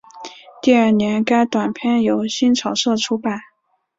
第二年该短篇由新潮社出版。